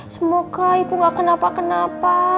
semoga ibu gak kenapa kenapa